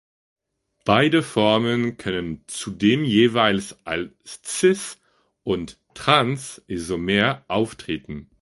Beide Formen können zudem jeweils als "cis"- und "trans"-Isomer auftreten.